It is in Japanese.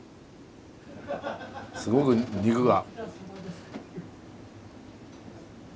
すごく肉が。